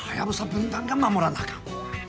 分団が守らなあかん。